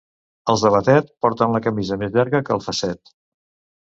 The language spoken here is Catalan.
Els de Batet porten la camisa més llarga que el fasset.